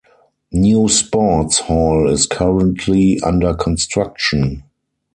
New sports hall is currently under construction.